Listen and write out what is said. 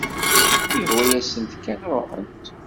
Ihwa-yasent kan ruḥent.